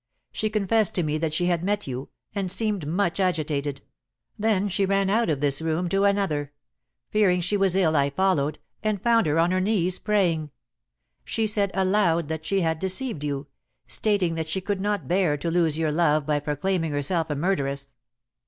She confessed to me that she had met you, and seemed much agitated. Then she ran out of this room to another. Fearing she was ill, I followed, and found her on her knees praying. She said aloud that she had deceived you, stating that she could not bear to lose your love by proclaiming herself a murderess."